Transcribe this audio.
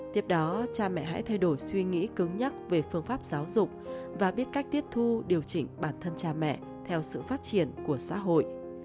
tiếp đó cha mẹ hãy thay đổi suy nghĩ cứng nhắc về phương pháp giáo dục và biết cách tiếp thu điều chỉnh bản thân cha mẹ theo sự phát triển của xã hội